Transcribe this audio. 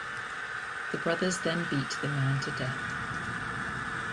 The brothers then beat the man to death.